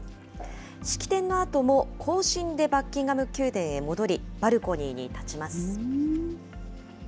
式典のあとも行進でバッキンガム宮殿へ戻り、バルコニーに立ちます。